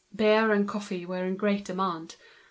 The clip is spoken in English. Beer and coffee were in great demand.